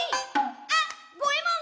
「あ、ごえもん！